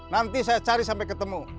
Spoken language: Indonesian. nanti saya cari sampai ketemu